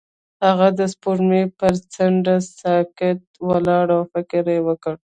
هغه د سپوږمۍ پر څنډه ساکت ولاړ او فکر وکړ.